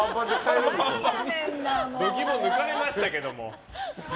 度胆抜かれましたけど。